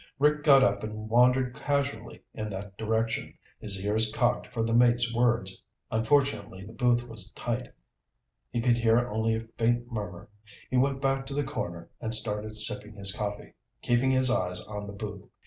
Rick got up and wandered casually in that direction, his ears cocked for the mate's words. Unfortunately, the booth was tight. He could hear only a faint murmur. He went back to the counter and started sipping his coffee, keeping his eyes on the booth.